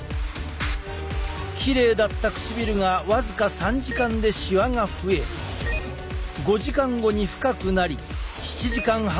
きれいだった唇が僅か３時間でしわが増え５時間後に深くなり７時間半後には炎症も起こし始めていた。